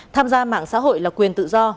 tham gia mạng xã hội là quyền tự do